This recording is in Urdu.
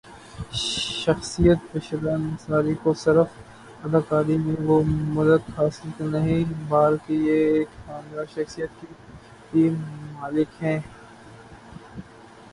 شخصیت بشریٰ انصاری کو سرف اداکاری میں وہ ملک حاصل نہیں بال کی یہ ایک شاندرشخصیات کی بھی ملک ہیں